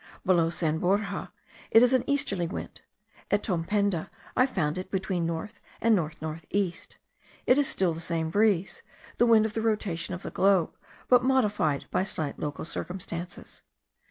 Below San Borja it is an easterly wind; at Tomependa I found it between north and north north east; it is still the same breeze, the wind of the rotation of the globe, but modified by slight local circumstances.